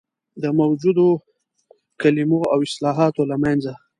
د موجودو کلمو او اصطلاحاتو له منځه.